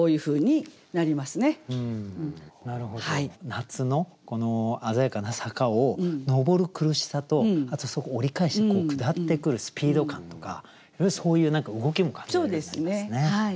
夏の鮮やかな坂を上る苦しさとあとそこを折り返して下ってくるスピード感とかよりそういう動きも感じられるようになりますね。